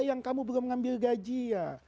yang kamu belum ngambil gaji ya